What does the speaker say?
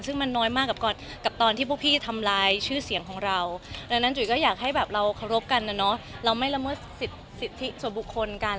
ซึ่งมันน้อยมากกับตอนที่พวกพี่ทำลายชื่อเสียงของเราดังนั้นจุ๋ยก็อยากให้แบบเราเคารพกันนะเนาะเราไม่ละเมิดสิทธิส่วนบุคคลกัน